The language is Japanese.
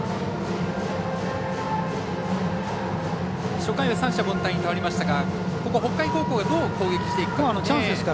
初回は三者凡退に倒れましたが北海高校が、どう攻撃していくか。